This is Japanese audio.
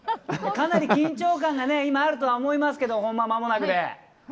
かなり緊張感が今あるとは思いますけれども本番まもなくで。